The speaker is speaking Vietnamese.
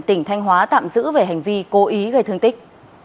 tỉnh thanh hóa tạm giữ về hành vi cố ý gây thương tích